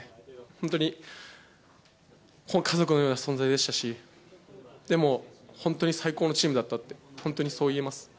本当に、家族のような存在でしたし、でも、本当に最高のチームだったって、本当にそう言えます。